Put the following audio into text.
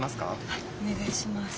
はいお願いします。